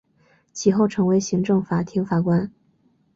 其后成为行政法庭法官。